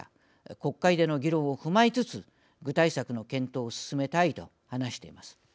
国会での議論を踏まえつつ具体策の検討を進めたい」と話しています。